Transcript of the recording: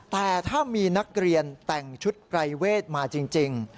แต่ถ้ามีนักเรียนแต่งชุดปรายเวทมาจริง